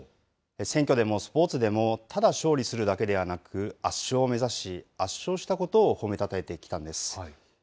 選挙でもスポーツでも、ただ勝利するだけではなく、圧勝を目指し、圧勝したことを褒めたたえてきたんです。